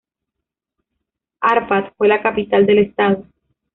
Arpad fue la capital del estado.